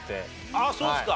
ああそうですか。